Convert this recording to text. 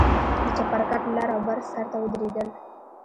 د چپرکټ لر او بر سر ته ودرېدل.